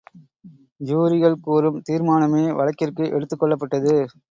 ஜூரிகள் கூறும் தீர்மானமே வழக்கிற்கு எடுத்துக் கொள்ளப்பட்டது.